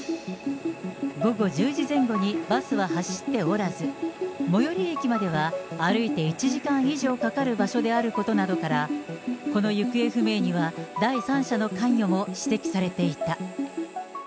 午後１０時前後にバスは走っておらず、最寄り駅までは歩いて１時間以上かかる場所であることなどから、この行方不明には、第三者の関与も指摘されていた。